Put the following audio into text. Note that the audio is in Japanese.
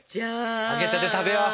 揚げたて食べよう。